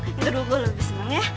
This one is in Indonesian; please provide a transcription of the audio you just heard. yang kedua gue lebih seneng ya